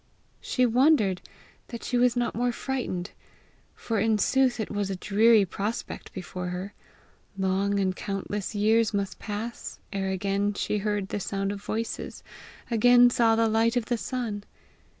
She wondered that she was not more frightened, for in sooth it was a dreary prospect before her: long and countless years must pass ere again she heard the sound of voices, again saw the light of the sun!